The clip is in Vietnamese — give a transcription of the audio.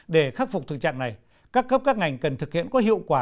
để khắc phục thực trạng này các cấp các ngành cần thực hiện có hiệu quả